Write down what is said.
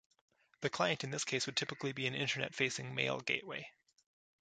The client in this case would typically be an Internet-facing mail gateway.